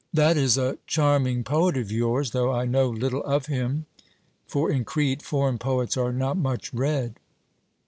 'That is a charming poet of yours, though I know little of him, for in Crete foreign poets are not much read.'